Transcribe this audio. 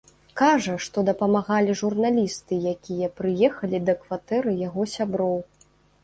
Кажа, што дапамаглі журналісты, якія прыехалі да кватэры яго сяброў.